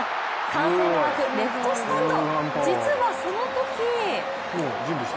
歓声が沸くレフトスタンド。